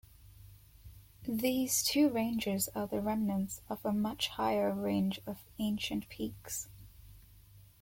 These two ranges are the remnants of a much-higher range of ancient peaks.